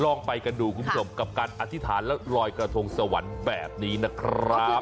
ลองไปกันดูคุณผู้ชมกับการอธิษฐานและรอยกระทงสวรรค์แบบนี้นะครับ